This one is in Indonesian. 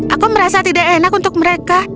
aku merasa tidak enak untuk mereka